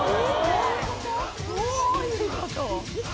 どういうこと？